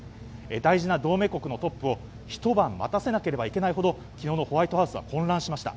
大事な同盟国のトップをひと晩待たせなければいけないほど昨日のホワイトハウスは混乱しました。